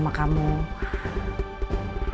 terasa sama kamu